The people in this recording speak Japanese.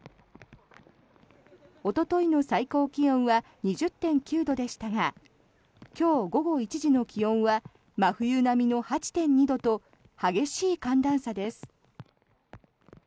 おとといの最高気温は２０．９度でしたが今日午後１時の気温は真冬並みの８．２度と激しい寒暖差です。